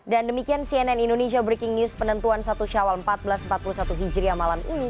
dan demikian cnn indonesia breaking news penentuan satu syawal seribu empat ratus empat puluh satu hijri yang malam ini